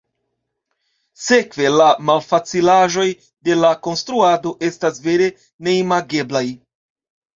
Sekve, la malfacilaĵoj de la konstruado estas vere neimageblaj.